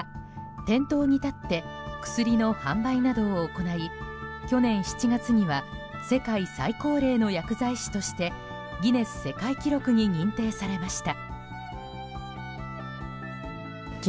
店頭に立って薬の販売などを行い去年７月には世界最高齢の薬剤師としてギネス世界記録に認定されました。